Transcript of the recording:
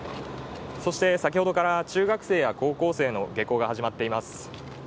そして先ほどから中学生や高校生の下校が始まっています。